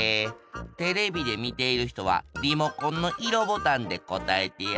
テレビでみているひとはリモコンの色ボタンで答えてや。